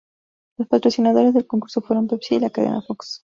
Los patrocinadores del concurso fueron Pepsi y la cadena Fox.